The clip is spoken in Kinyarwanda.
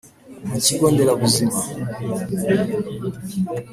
mu kigo nderabuzima